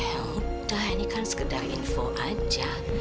ya udah ini kan sekedar info aja